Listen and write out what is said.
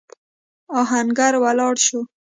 آهنګر ولاړ شو.